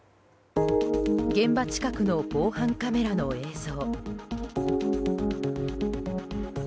現場近くの防犯カメラの映像。